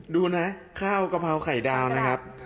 ดูนะข้าวกะเพราไข่ดาวนะครับ